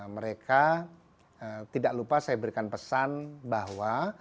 mereka tidak lupa saya berikan pesan bahwa